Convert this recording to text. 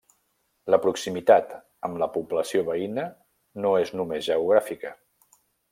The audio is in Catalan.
La proximitat amb la població veïna no és només geogràfica.